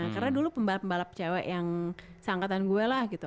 karena dulu pembalap pembalap cewek yang seangkatan gue lah gitu